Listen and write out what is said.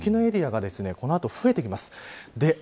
雪のエリアはこのあと増えてきます。